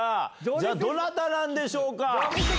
じゃあどなたなんでしょうか？